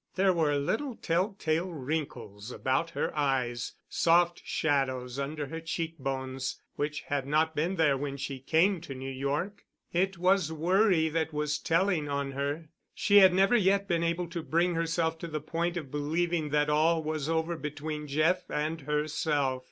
There were little telltale wrinkles about her eyes, soft shadows under her cheek bones which had not been there when she came to New York. It was worry that was telling on her. She had never yet been able to bring herself to the point of believing that all was over between Jeff and herself.